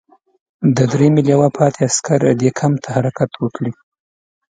د دریمې لواء پاتې عسکر دې کمپ ته حرکت وکړي.